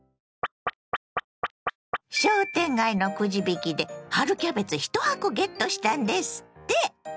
商店街のくじ引きで春キャベツ１箱ゲットしたんですって！